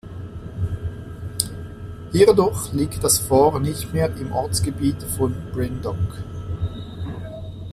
Hierdurch liegt das Fort nicht mehr im Ortsgebiet von Breendonk.